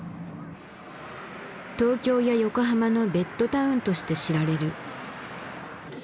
東京や横浜のベッドタウンとして知られる。